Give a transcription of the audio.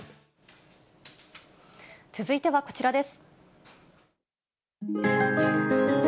続いてはこちらです。